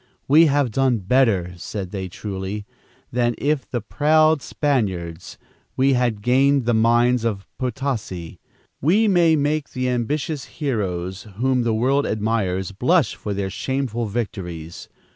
'We have done better,' said they truly, 'than if, with the proud Spaniards, we had gained the mines of Potosi. We may make the ambitious heroes, whom the world admires, blush for their shameful victories.